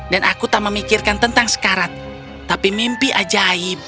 dan aku tak memikirkan tentang sekarat tapi mimpi ajaib